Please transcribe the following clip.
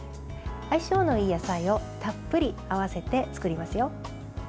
相性のいい野菜をたっぷり合わせて作りますよ。